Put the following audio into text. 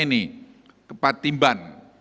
ini ke patimban